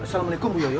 assalamu'alaikum bu yoyo